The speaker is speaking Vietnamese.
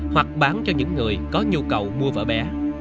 hoặc bán cho những người có nhu cầu mua vợ bé